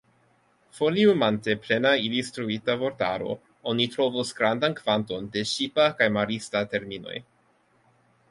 Foliumante Plena Ilustrita Vortaro, oni trovos grandan kvanton de ŝipa kaj marista terminoj.